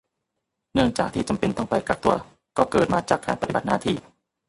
เนื่องจากที่จำเป็นต้องไปกักตัวก็เกิดมาจากการปฏิบัติหน้าที่